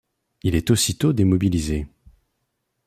Il est aussitôt démobilisé.